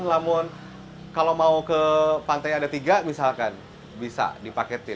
tapi kalau mau ke pantai ada tiga bisa dipaketin